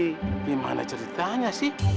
tapi mana ceritanya sih